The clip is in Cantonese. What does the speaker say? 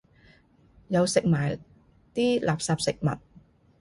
又食埋啲垃圾食物